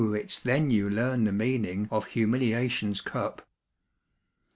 it's then you learn the meaning of humiliation's cup.